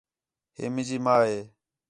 ہے مینجی ماں ہے